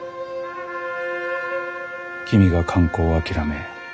君が刊行を諦め